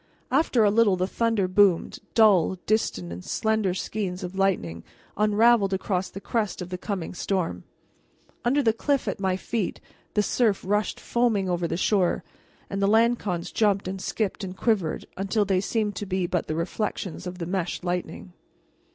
After a little the thunder boomed, dull, distant, and slender skeins of lightning unraveled across the crest of the coming storm. Under the cliff at my feet the surf rushed foaming over the shore, and the lancons jumped and skipped and quivered until they seemed to be but the reflections of the meshed lightning.